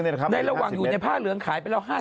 ในระหว่างอยู่ในผ้าเหลืองขายไปแล้ว๕๐